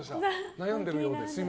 悩んでいるようで。